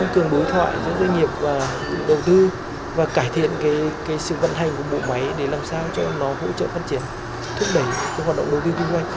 cái sự vận hành của bộ máy để làm sao cho nó hỗ trợ phát triển thúc đẩy các hoạt động đầu tiên kinh doanh